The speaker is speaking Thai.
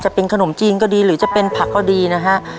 จะเป็นขนมจีนก็ดีหรือจะเป็นผักก็ดีนะฮะ